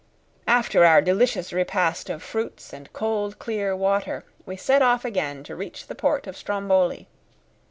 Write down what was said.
After our delicious repast of fruits and cold, clear water we set off again to reach the port of Stromboli.